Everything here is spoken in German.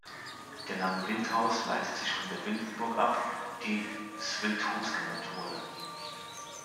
Der Name Wildhaus leitet sich von der Wildenburg ab, die s’Wild Huus genannt wurde.